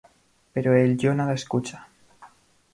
Pero el yo nada escucha.